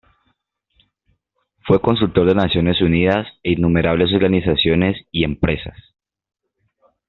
Fue Consultor de Naciones Unidas e innumerables organizaciones y empresas.